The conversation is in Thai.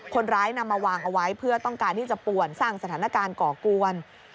คนร้ายนำมาวางเอาไว้เพื่อต้องการที่จะป่วนสร้างสถานการณ์ก่อกวน